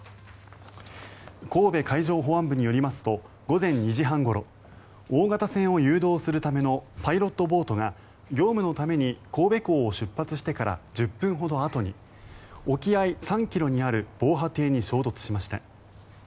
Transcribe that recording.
神戸海上保安部によりますと午前２時半ごろ大型船を誘導するためのパイロットボートが業務のために、神戸港を出発してから１０分ほどあとに沖合３ｋｍにある防波堤に衝突しました。